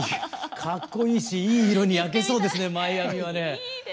格好いいしいい色に焼けそうですねマイアミはね。